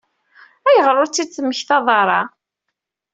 Ayɣer ur t-id-temmektaḍ ara?